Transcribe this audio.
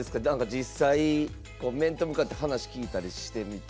実際面と向かって話聞いたりしてみて。